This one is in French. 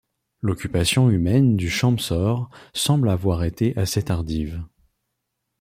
L'occupation humaine du Champsaur semble avoir été assez tardive.